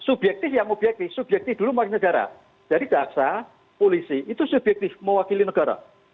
subjektif yang objektif subjektif dulu mewakili negara jadi jaksa polisi itu subjektif mewakili negara